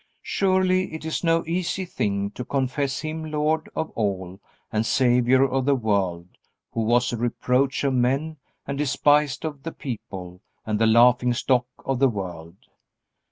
Surely it is no easy thing to confess Him Lord of all and Savior of the world who was a reproach of men, and despised of the people, and the laughing stock of the world.